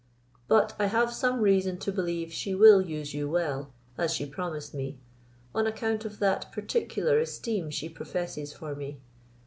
But I have some reason to believe she will use you well, as she promised me, on account of that particular esteem she professes for me.